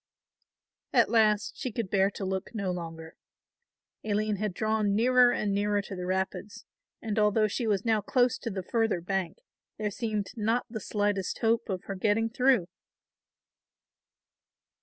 At last she could bear to look no longer. Aline had drawn nearer and nearer to the rapids, and although she was now close to the further bank there seemed not the slightest hope of her getting through.